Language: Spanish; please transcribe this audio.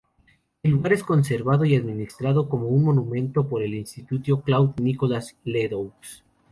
El lugar es conservado y administrado como un monumento por el Instituto Claude-Nicolas Ledoux.